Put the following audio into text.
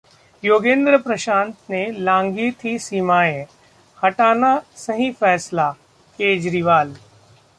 योगेंद्र-प्रशांत ने लांघी थी सीमाएं, हटाना सही फैसला: केजरीवाल